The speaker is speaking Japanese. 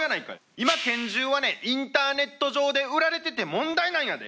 今、拳銃はね、インターネット上で売られてて問題なんやで。